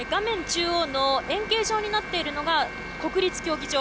中央の円形状になっているのが、国立競技場。